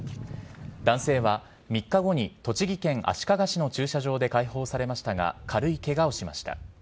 男性は３日後に栃木県足利市の駐車場で解放されましたが軽いケガをしました。